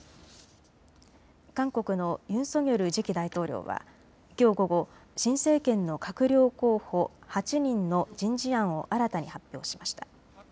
韓国のユン・ソギョル次期大統領はきょう午後、新政権の閣僚候補８人の人事案を新たに発表しました。